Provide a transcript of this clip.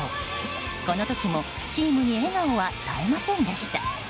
この時もチームに笑顔は絶えませんでした。